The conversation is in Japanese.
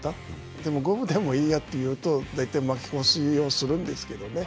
でも、五分でもいいやというと大体負け越しをするんですけどね。